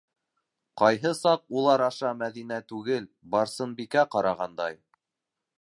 Ҡайһы саҡ улар аша Мәҙинә түгел, Барсынбикә ҡарағандай.